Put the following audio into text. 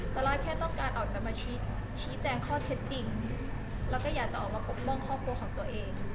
ซาร่าแค่ต้องการออกมาชี้แจงข้อเท็จจริงแล้วก็อยากจะออกมาปกป้องครอบครัวของตัวเอง